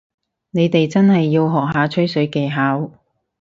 你哋真係要學下吹水技巧